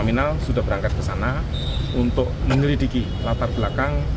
pak minal sudah berangkat ke sana untuk mengelidiki latar belakang